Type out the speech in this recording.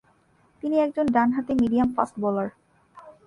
তিনি একজন ডান হাতি মিডিয়াম ফাস্ট বোলার।